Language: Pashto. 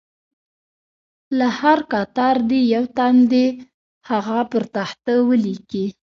له هر کتار یو تن دې هغه پر تخته ولیکي.